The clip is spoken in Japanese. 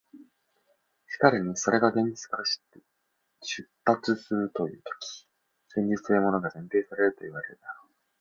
しかるにそれが現実から出立するというとき、現実というものが前提されるといわれるであろう。